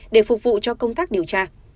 để phục vụ cho công tác điều tra